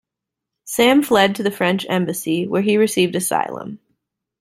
Sam fled to the French embassy, where he received asylum.